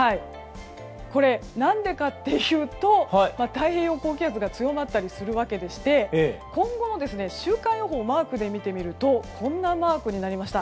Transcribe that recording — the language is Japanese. これ、何でかというと太平洋高気圧が強まったりするからでして今後の週間予報をマークで見てみるとこんなマークになりました。